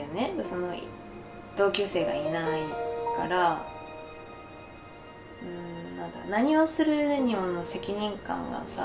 その同級生がいないからうーん何をする上にも責任感がさ